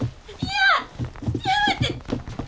やめて！